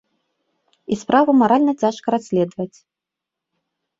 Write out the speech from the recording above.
І справу маральна цяжка расследаваць.